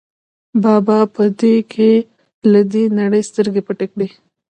بابا په کې له دې نړۍ سترګې پټې کړې.